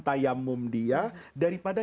tayammum dia daripada